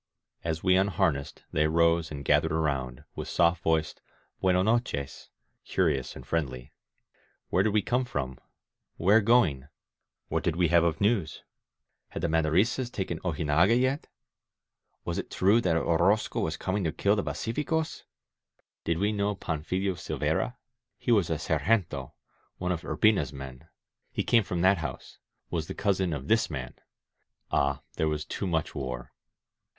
As we unharnessed they rose and gathered around, with soft voiced Btieno nochesy* curious and friendly. Where did we come from? Where going? What did we have of news? Had the Maderistas taken Ojinaga yet? Was it true that Orozco was coming to kill the pacificosf Did we know Panfilo Silveyra? He was a sergentOy one of Urbina's men. He came from that house, was the cousin of this man. Ah, there was too much war